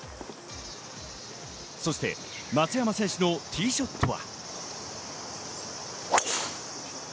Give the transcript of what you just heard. そして松山選手のティーショットは。